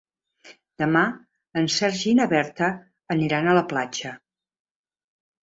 Demà en Sergi i na Berta aniran a la platja.